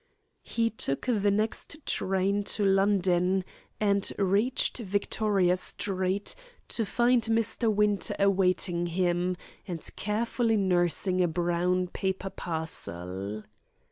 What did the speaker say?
He took the next train to London, and reached Victoria Street, to find Mr. Winter awaiting him, and carefully nursing a brown paper parcel.